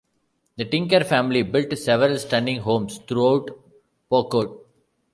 The Tinker family built several stunning homes throughout Poquott.